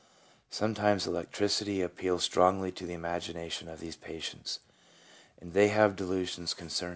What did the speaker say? Sometimes electricity appeals strongly to the imagination of these patients, and they have delusions concerning this.